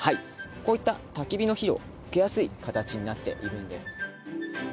こういったたき火の火を受けやすい形になっているんです。